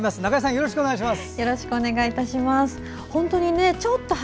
よろしくお願いします。